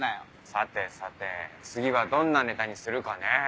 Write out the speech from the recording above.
さてさて次はどんなネタにするかね？